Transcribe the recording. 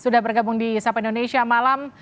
sudah bergabung di sapa indonesia malam